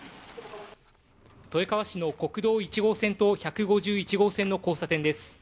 豊川市の国道１号線と１５１号線の交差点です。